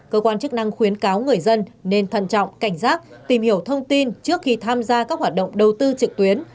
cơ quan chức năng khuyến cáo người dân nên thần trọng cảnh giác tìm hiểu thông tin trước khi tham gia các hoạt động đầu tư trực tuyến